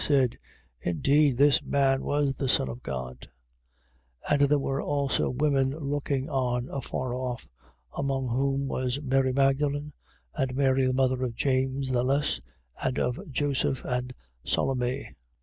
said: Indeed this man was the son of God. 15:40. And there were also women looking on afar off: among whom was Mary Magdalen and Mary the mother of James the Less and of Joseph and Salome, 15:41.